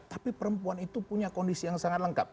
tapi perempuan itu punya kondisi yang sangat lengkap